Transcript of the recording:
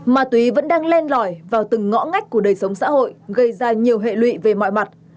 mà tuý vẫn đang len lõi vào từng ngõ ngách của đời sống xã hội gây ra nhiều hệ lụy về mọi mặt